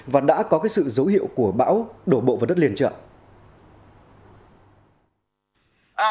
và đã có cái sự dấu hiệu của bão đổ bộ vào đất liền chưa